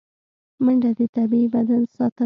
منډه د طبیعي بدن ساتنه ده